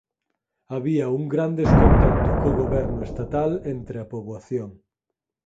Había un gran descontento co goberno estatal entre a poboación.